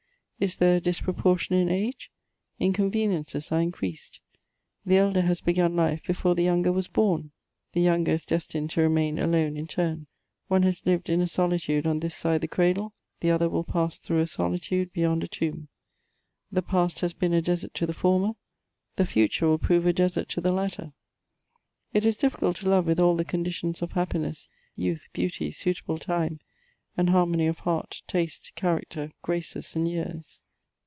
Is there a disproportion in age? inconveniences are increased : the elder has begun life before the younger was bom ; the younger CHATEAUBRIAinD. 389 is destined to rexoain alooe in turn ; one has lived in a solitude on this side the cradle, the other will pass through a solitude beyond a tomb ; the past has been a desert to the former, the future will prove a desert to the latter. It is difficult to love with all the conditions of happiness, youth, beauty, suitable time, and harmony of heart, taste, character, graces, and years.